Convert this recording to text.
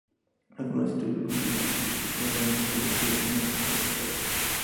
Algunos estudiosos consideran que este bronce podría ser el original de Praxíteles.